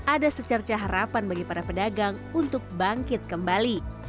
ada secerca harapan bagi para pedagang untuk bangkit kembali